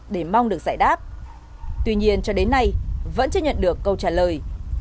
để mong được giải đáp tuy nhiên cho đến nay vẫn chưa nhận được câu trả lời